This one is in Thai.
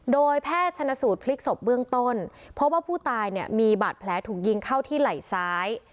โดยแพทย์ชนสูตรพลิกศพเบื้องต้นเพราะว่าผู้ตายเนี่ยมีบาดแผลถูกยิงเข้าที่ไหล่ซ้าย